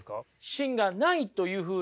芯がないというふうに。